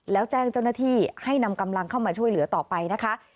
แล้วแจ้งเจ้าหน้าที่ให้นำกำลังเข้ามาช่วยเหลือต่อไปนะคะ